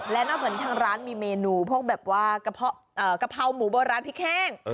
และนอกจากทางร้านมีเมนูพวกแบบว่ากะเพราหมูโบราณพริกแห้ง